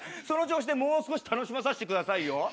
その調子でもう少し楽しまさせてくださいよ。